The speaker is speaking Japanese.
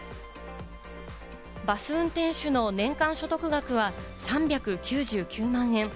バス運転手の年間所得額は３９９万円。